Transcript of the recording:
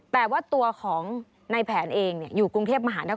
แต่ว่าตัวของในแผนเองอยู่กรุงเทพมหานคร